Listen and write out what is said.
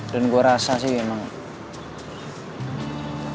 dan gue rasa sih emang